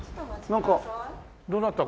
なんかどなたか。